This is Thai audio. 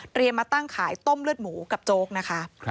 มาตั้งขายต้มเลือดหมูกับโจ๊กนะคะ